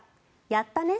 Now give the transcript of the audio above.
やったね！